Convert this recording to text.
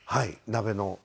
鍋の。